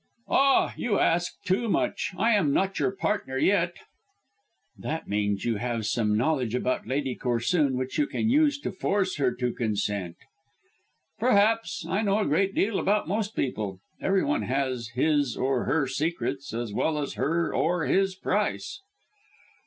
"Ah, you ask too much. I am not your partner yet." "That means you have some knowledge about Lady Corsoon which you can use to force her to consent." "Perhaps. I know a great deal about most people. Every one has his or her secrets as well as her or his price."